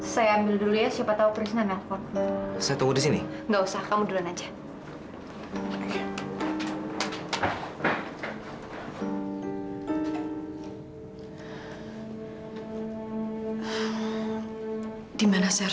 sampai jumpa di video selanjutnya